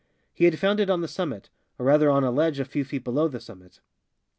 He had found it on the summit, or rather on a ledge a few feet below the summit.